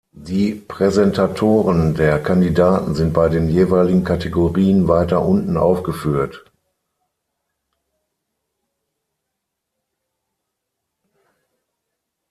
Die Präsentatoren der Kandidaten sind bei den jeweiligen Kategorien weiter unten aufgeführt.